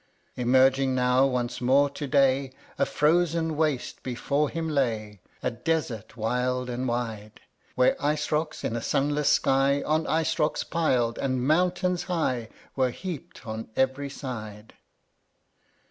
13. Emerging now once more to day, A frozen waste before him lay, A desert wild and wide, Where ice rocks, in a sunless sky. On ice rocks piled, and mountains high, Were heap'd on every side.